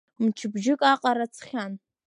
Мчыбжьык аҟара ҵхьан.